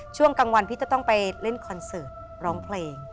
ช่วงกลางวันพี่จะต้องไปเล่นคอนเสิร์ตร้องเพลง